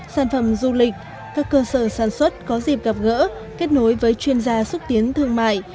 sản phẩm du lịch các cơ sở sản xuất có dịp gặp gỡ kết nối với chuyên gia xúc tiến thương mại